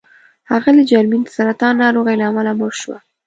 اغلې جرمین د سرطان ناروغۍ له امله مړه شوه.